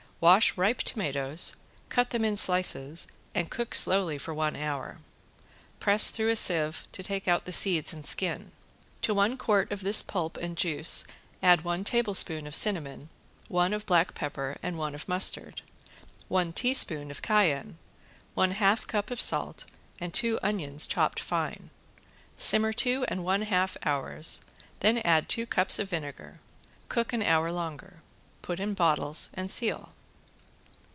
Wash ripe tomatoes, cut them in slices and cook slowly for one hour. Press through a sieve to take out the seeds and skin. To one quart of this pulp and juice add one tablespoon of cinnamon, one of black pepper and one of mustard, one teaspoon of cayenne, one half cup of salt and two onions chopped fine. Simmer two and one half hours, then add two cups of vinegar, cook an hour longer. Put in bottles and seal.